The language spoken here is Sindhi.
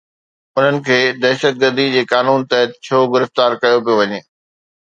انهن کي دهشتگردي جي قانون تحت ڇو گرفتار ڪيو پيو وڃي؟